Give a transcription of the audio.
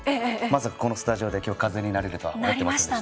まさかこのスタジオで今日風になれるとは思ってませんでした。